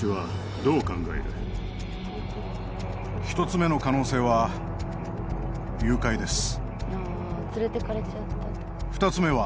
１つ目の可能性は誘拐です。